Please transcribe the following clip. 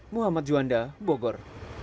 muhammad juanda bogor